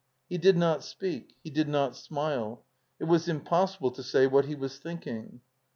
He did not speak. He did not smile. It was impossible to say what he was thinking.